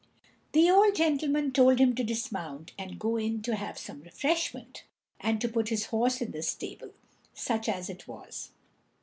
The old gentleman told him to dismount and to go in to have some refreshment, and to put his horse in the stable, such as it was.